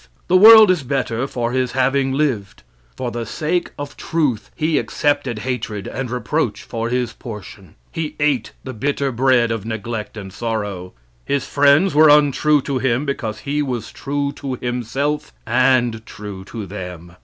The world is better for his having lived. For the sake of truth he accepted hatred and reproach for his portion. He ate the bitter bread of neglect and sorrow. His friends were untrue to him because he was true to himself and true to them.